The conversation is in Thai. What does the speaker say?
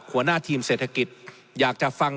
หัวหน้าทีมเศรษฐกิจอยากจะฟัง